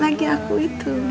lagi aku itu